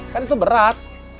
kan itu berat